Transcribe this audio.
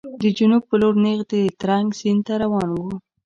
د جنوب په لور نېغ د ترنک سیند ته روان و.